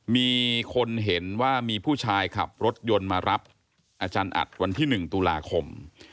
มีคนเห็นว่ามีผู้ชายขับรถยนต์มารับอาจารย์อัดวันที่๑ตุลาคม